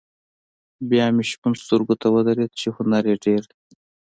بیا مې شپون سترګو ته ودرېد چې هنر یې ډېر دی.